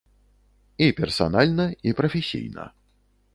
І персанальна, і прафесійна.